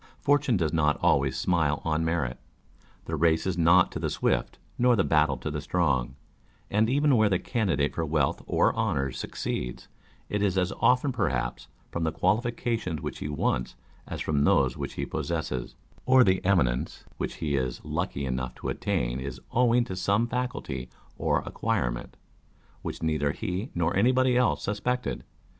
Fortune does not always smile on merit : â€" " The race is not to the swift, nor the battle to the strong :" and even where the candidate for wealth or honours succeeds, it is as often, perhaps, from the qualifications which he wants as from those which he possesses ; or the eminence wThich he is lucky enough to attain is owing to some faculty or acquirement which neither he nor anybody else suspected.